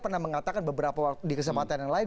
anda pernah mengatakan beberapa waktu di kesempatan yang lain